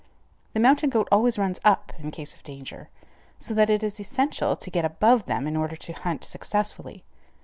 The mountain goat always runs up in case of danger, so that it is essential to get above them in order to hunt successfully.